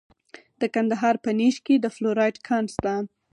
د کندهار په نیش کې د فلورایټ کان شته.